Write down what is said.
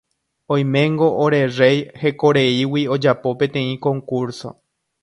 Oiméngo ore rey hekoreígui ojapo peteĩ concurso.